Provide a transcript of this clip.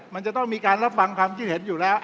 มันจะต้องมีการรับฟังความคิดเห็นอยู่แล้ว